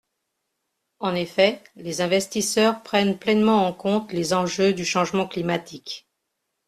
En effet, les investisseurs prennent pleinement en compte les enjeux du changement climatique.